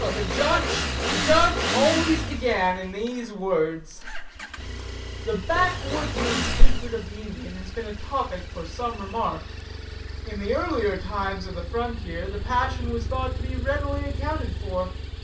"The judge always began in these words: 'The backwoodsman's hatred of the Indian has been a topic for some remark. In the earlier times of the frontier the passion was thought to be readily accounted for.